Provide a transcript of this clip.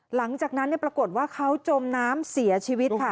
หลังจากนั้นปรากฏว่าเขาจมน้ำเสียชีวิตค่ะ